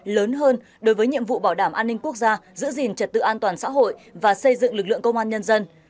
lớn hơn đối với nhiệm vụ bảo đảm an ninh quốc gia giữ gìn trật tự an toàn xã hội và xây dựng lực lượng công an nhân dân